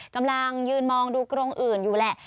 กำลังยืนมองดูกรงอื่นอยู่แหละ